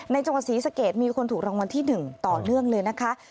จังหวัดศรีสะเกดมีคนถูกรางวัลที่๑ต่อเนื่องเลยนะคะ